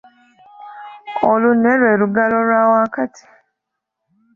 Olunwe lwe lugalo olwa wakati.